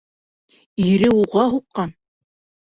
Ире уға һуҡҡан!